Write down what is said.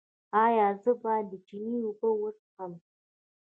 ایا زه باید د چینې اوبه وڅښم؟